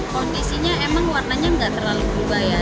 kondisinya emang warnanya nggak terlalu berubah ya